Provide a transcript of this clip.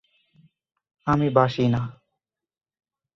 আমি বাসি না।